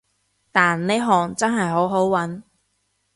但呢行真係好好搵